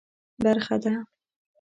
برخه ده.